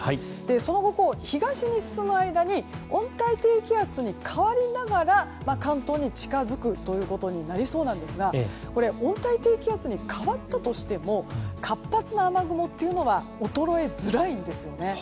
その後、東に進む間に温帯低気圧に変わりながら関東に近づくことになりそうなんですが温帯低気圧に変わったとしても活発な雨雲は衰えづらいんですよね。